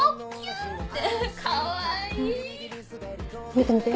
見て見て。